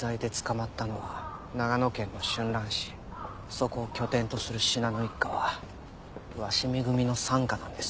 そこを拠点とする信濃一家は鷲見組の傘下なんです。